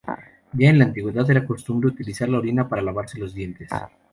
Ya en la antigüedad era costumbre utilizar la orina para lavarse los dientes.